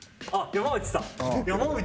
山内さん？